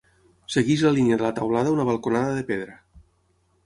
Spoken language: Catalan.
Segueix la línia de la teulada una balconada de pedra.